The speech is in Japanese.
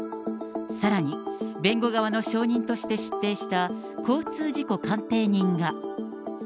さらに弁護側の証人として出廷した交通事故鑑定人が。